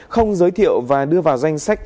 không giới thiệu và đưa vào danh sách